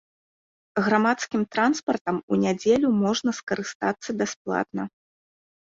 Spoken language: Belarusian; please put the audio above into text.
Грамадскім транспартам у нядзелю можна скарыстацца бясплатна.